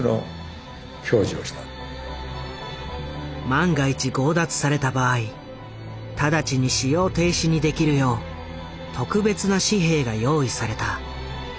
万が一強奪された場合直ちに使用停止にできるよう特別な紙幣が用意された。